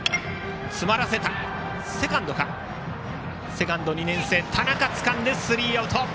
セカンド、２年生田中がつかんでスリーアウト。